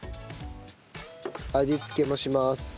味付けもします。